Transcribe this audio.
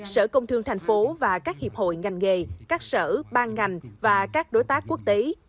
sở công thương thành phố và các hiệp hội ngành nghề các sở ban ngành và các đối tác quốc tế